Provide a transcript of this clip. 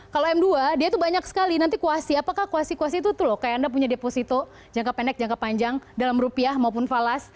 kalau m dua dia tuh banyak sekali nanti kuasi apakah kuasi kuasi itu tuh loh kayak anda punya deposito jangka pendek jangka panjang dalam rupiah maupun falas